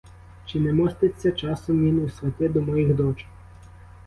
Чи не моститься часом він у свати до моїх дочок?